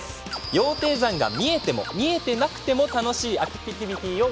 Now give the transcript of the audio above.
羊蹄山が見えても見えてなくても楽しいアクティビティーを